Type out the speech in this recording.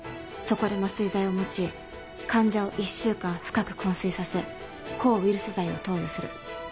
そこで麻酔剤を用い患者を１週間深くこん睡させ抗ウイルス剤を投与する。